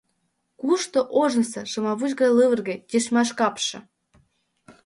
Кушто ожнысо, шымавуч гай лывырге, тичмаш капше?